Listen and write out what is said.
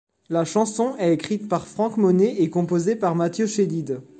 La chanson est écrite par Franck Monnet et composée par Matthieu Chédid.